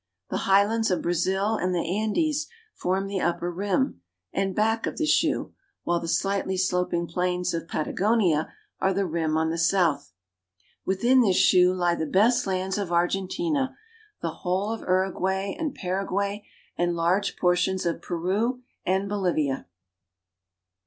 The highlands of Brazil and the Andes form the upper rim and back of the shoe, while the slightly sloping plains of Pata gonia are the rim on the south. Within this shoe lie the best lands of Argentina, the whole of Uruguay and Para guay, and large portions of Peru and Bolivia.